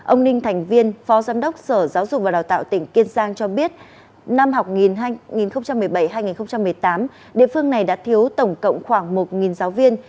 ông ninh thành viên phó giám đốc sở giáo dục và đào tạo tỉnh kiên giang cho biết năm học hai nghìn một mươi bảy hai nghìn một mươi tám địa phương này đã thiếu tổng cộng khoảng một giáo viên